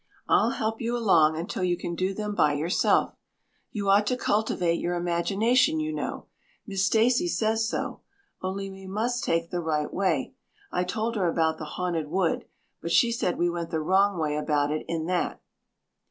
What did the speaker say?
I'll help you along until you can do them by yourself. You ought to cultivate your imagination, you know. Miss Stacy says so. Only we must take the right way. I told her about the Haunted Wood, but she said we went the wrong way about it in that."